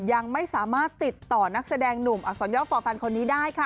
ยังไม่สามารถติดต่อนักแสดงหนุ่มอักษรย่อฟอร์ฟันคนนี้ได้ค่ะ